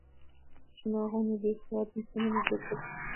چې ما غوندې بې سواده انسان يې د معرفي کولو توان نه لري.